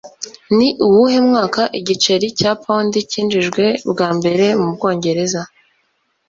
Ni uwuhe mwaka igiceri cya Pound cyinjijwe bwa mbere mu Bwongereza?